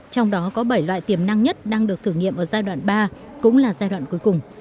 trong đó có bảy loại tiềm năng nhất đang được thử nghiệm ở giai đoạn ba cũng là giai đoạn cuối cùng